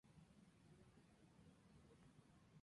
Comenzó como subalterno en la cuadrilla del Duque de Boroa.